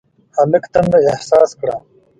هلک تنده احساس کړه.